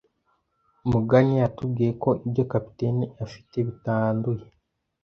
Muganga yatubwiye ko ibyo Captain afite bitanduye.